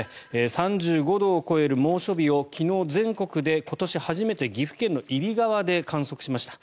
３５度を超える猛暑日を昨日、全国で今年初めて岐阜県の揖斐川で観測しました。